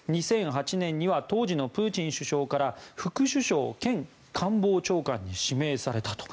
２００８年には当時のプーチン首相から副首相兼官房長官に指名されたと。